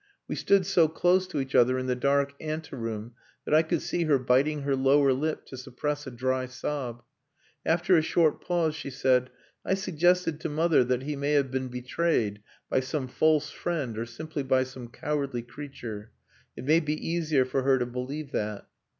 We stood so close to each other in the dark anteroom that I could see her biting her lower lip to suppress a dry sob. After a short pause she said "I suggested to mother that he may have been betrayed by some false friend or simply by some cowardly creature. It may be easier for her to believe that."